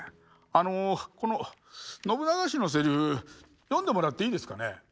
あのこの信長氏のセリフ読んでもらっていいですかね？